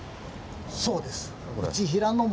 そうです。